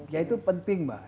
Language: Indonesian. ya itu penting mbak